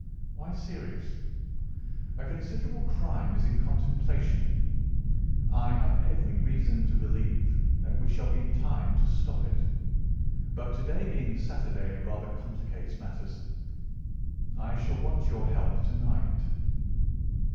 "Why serious?" "A considerable crime is in contemplation. I have every reason to believe that we shall be in time to stop it. But to day being Saturday rather complicates matters. I shall want your help to night."